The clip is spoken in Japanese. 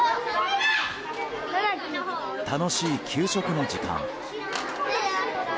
楽しい給食の時間。